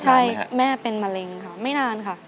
ใช่แม่เป็นมะเร็งค่ะไม่นานค่ะ